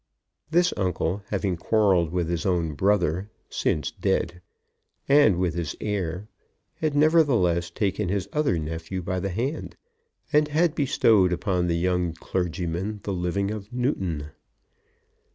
This uncle, having quarrelled with his own brother, since dead, and with his heir, had nevertheless taken his other nephew by the hand, and had bestowed upon the young clergyman the living of Newton.